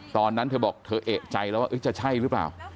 ตอนนั้นเธอบอกเธอเอกใจแล้วว่าจะใช่หรือเปล่า